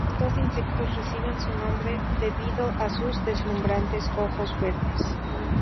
Estos insectos reciben su nombre debido a sus deslumbrantes ojos verdes.